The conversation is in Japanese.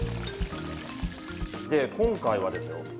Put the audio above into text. で今回はですよ